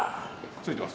ついてます